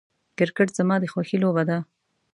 کرکټ زما د خوښې لوبه ده .